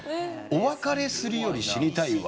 「お別れするより死にたいわ」